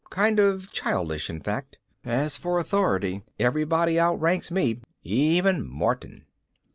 Kind of childish, in fact. As for authority, everybody outranks me, even Martin.